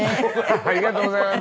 ありがとうございます。